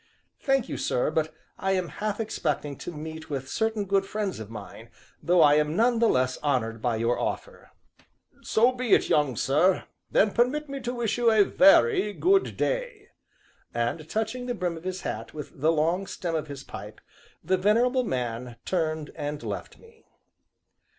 "Thank you, sir, but I am half expecting to meet with certain good friends of mine, though I am none the less honored by your offer." "So be it, young sir; then permit me to wish you a very, 'Good day!'" and, touching the brim of his hat with the long stem of his pipe, the Venerable Man turned and left me.